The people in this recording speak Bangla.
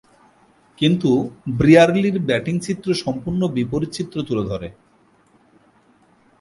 কিন্তু, ব্রিয়ারলি’র ব্যাটিং চিত্র সম্পূর্ণ বিপরীত চিত্র তুলে ধরে।